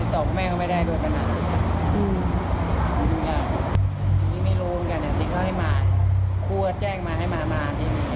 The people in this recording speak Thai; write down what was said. แต่ไม่ได้เล่าอะไรให้พี่บ้างเลยเนาะ